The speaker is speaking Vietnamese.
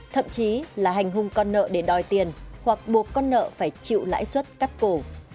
thậm chí là hành hung con nợ để đòi tiền hoặc buộc con nợ phải chịu lãi suất cắt cổ